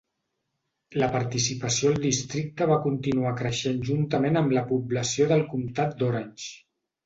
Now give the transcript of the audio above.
La participació al districte va continuar creixent juntament amb la població del comtat d'Orange.